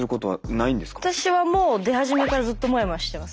私はもう出始めからずっともやもやしてます。